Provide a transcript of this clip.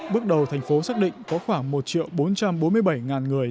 bước đầu thành phố xác định có khoảng một triệu bốn trăm bốn mươi bảy ngàn người